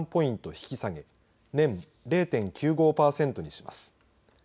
引き下げ年０．９５パーセントにします。